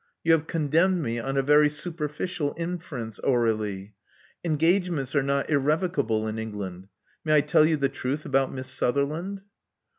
You have condemned me on a very superficial infer ence, Aur61ie. Engagements are not irrevocable in England. May I tell you the truth about Miss Sutherland?"